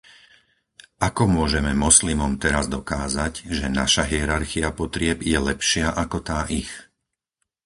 Ako môžeme moslimom teraz dokázať, že naša hierarchia potrieb je lepšia ako tá ich?